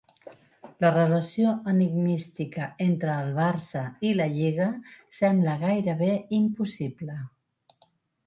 La relació enigmística entre el "Barça" i la "lliga" sembla gairebé impossible.